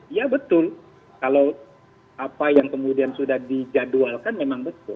iya betul kalau apa yang kemudian sudah dijadwalkan memang betul